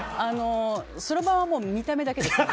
そろばんは、もう見た目だけです。